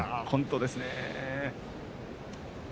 本当ですね。